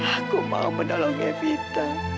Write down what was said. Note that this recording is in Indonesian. aku mau menolong evita